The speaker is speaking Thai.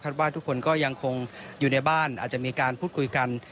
ว่าทุกคนก็ยังคงอยู่ในบ้านอาจจะมีการพูดคุยกัน